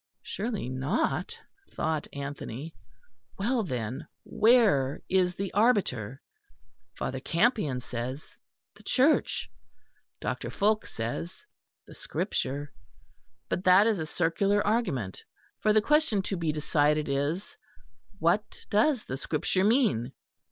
Surely not, thought Anthony. Well, then, where is the arbiter? Father Campion says, The Church; Dr. Fulke says, The Scripture. But that is a circular argument, for the question to be decided is: What does the Scripture mean?